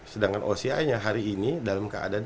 sedangkan oca yang hari ini dalam keadaan